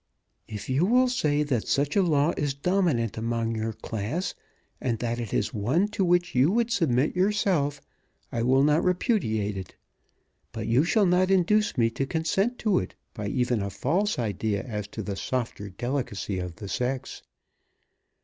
"If you will say that such a law is dominant among your class, and that it is one to which you would submit yourself, I will not repudiate it. But you shall not induce me to consent to it, by even a false idea as to the softer delicacy of the sex.